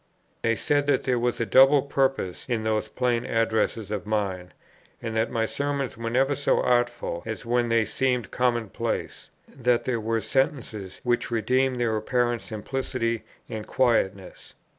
They said that there was a double purpose in those plain addresses of mine, and that my Sermons were never so artful as when they seemed common place; that there were sentences which redeemed their apparent simplicity and quietness.